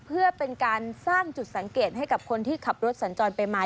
เพื่อเป็นการสร้างจุดสังเกตให้กับคนที่ขับรถสัญจรไปมา